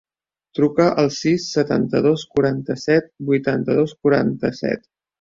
Truca al sis, setanta-dos, quaranta-set, vuitanta-dos, quaranta-set.